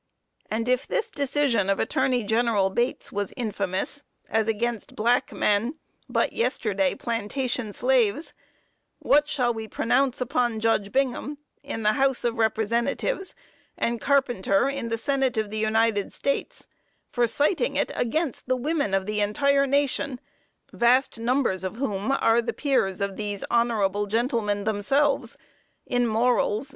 And if this decision of Attorney General Bates was infamous, as against black men, but yesterday plantation slaves, what shall we pronounce upon Judge Bingham, in the house of Representatives, and Carpenter, in the Senate of the United States, for citing it against the women of the entire nation, vast numbers of whom are the peers of those honorable gentlemen, themselves, in morals!!